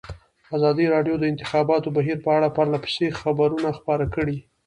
ازادي راډیو د د انتخاباتو بهیر په اړه پرله پسې خبرونه خپاره کړي.